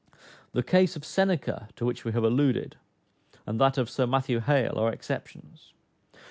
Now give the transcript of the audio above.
The case of Seneca (to which we have alluded,) and that of Sir Matthew Hale, are exceptions.